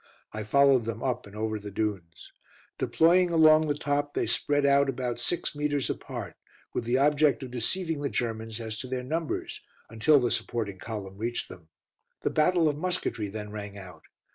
I followed them up and over the dunes. Deploying along the top, they spread out about six metres apart, with the object of deceiving the Germans as to their numbers, until the supporting column reached them. The battle of musketry then rang out.